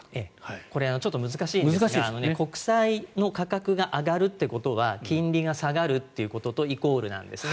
これちょっと難しいんですが国債の価格が上がるっていうことは金利が下がるということとイコールなんですね。